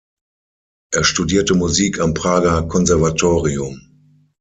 Er studierte Musik am Prager Konservatorium.